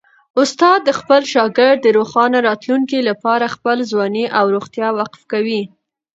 استاد د خپل شاګرد د روښانه راتلونکي لپاره خپله ځواني او روغتیا وقف کوي.